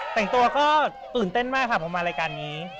แต่งตัวก็ตื่นเต้นมากค่ะผมมารายการนี้